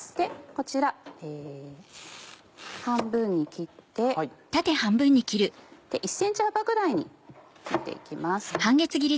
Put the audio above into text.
こちら半分に切って１ｃｍ幅ぐらいに切って行きます。